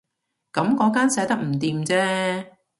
噉嗰間寫得唔掂啫